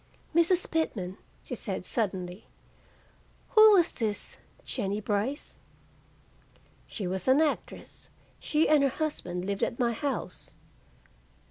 "Mrs. Pitman," she said suddenly, "who was this Jennie Brice?" "She was an actress. She and her husband lived at my house."